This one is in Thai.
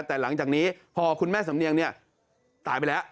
แต่หลังจากนี้พอคุณแม่สำเนียงเนี่ยตายไปแล้ว